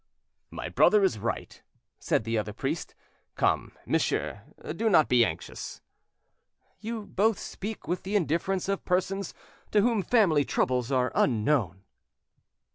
"My brother is right," said the other priest. "Come, monsieur; do not be anxious." "You both speak with the indifference of persons to whom family troubles are unknown."